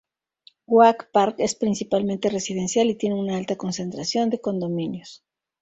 Oak park es principalmente residencial, y tiene una alta concentración de condominios.